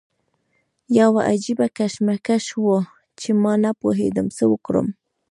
یو عجیبه کشمکش و چې ما نه پوهېدم څه وکړم.